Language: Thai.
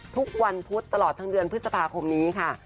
ทุกวันพุธตลอดทั้งเดือนพฤษภาคมนี้ค่ะ